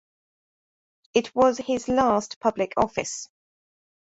It was his last public office.